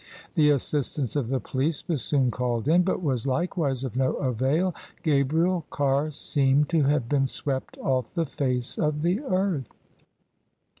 The assistance of the police was soon called in, but was likewise of no avail: Gabriel Carr seemed to have been swept off the face of the earth.